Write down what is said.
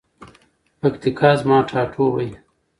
پکتیکا زما ټاټوبی.